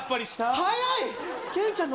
早い！